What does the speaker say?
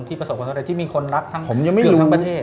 ที่ประสบสำเร็จที่มีคนรักทั้งประเทศ